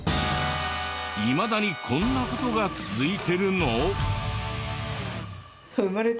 いまだにこんな事が続いてるの？